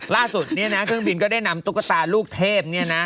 ล่าสุดเนี่ยนะเครื่องบินก็ได้นำตุ๊กตาลูกเทพเนี่ยนะ